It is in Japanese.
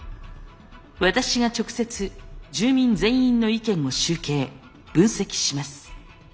私が直接住民全員の意見を集計分析します。